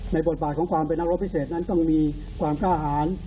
บทบาทของความเป็นนักรบพิเศษนั้นต้องมีความกล้าหาร